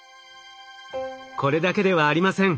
これだけではありません。